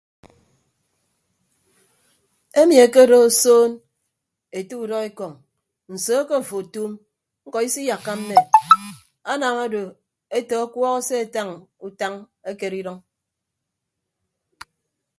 Emi ekedo osoon ete udọekọñ nso ke afo otuum ñkọ isiyakka mme anam ado ete ọkuọk asetañ utañ ekere idʌñ.